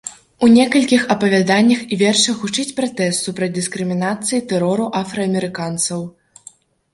У некалькіх апавяданнях і вершах гучыць пратэст супраць дыскрымінацыі і тэрору афраамерыканцаў.